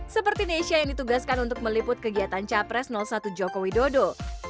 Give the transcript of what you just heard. seperti nesha yang ditugaskan untuk meliput kegiatan capres satu jokowi dodo